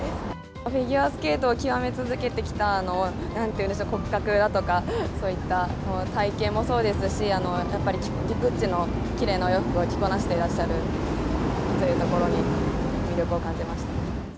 フィギュアスケートを究め続けてきた、なんて言うんでしょう、骨格だとかそういった体形もそうですし、やっぱりグッチのきれいなお洋服を着こなしてらっしゃるというところに魅力を感じました。